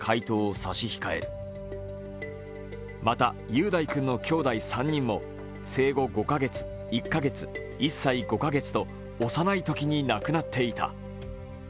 その理由はまた、雄大君のきょうだい３人も生後５カ月、１カ月、１歳５カ月と幼いときに亡くなっていた。